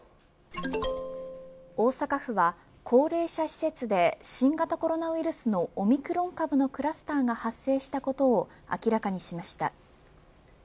大阪府は高齢者施設で新型コロナウイルスのオミクロン株のクラスターが発生したことを明らかにしました。